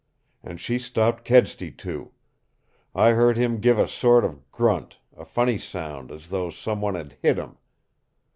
And she stopped Kedsty, too. I heard him give a sort of grunt a funny sound, as though some one had hit him.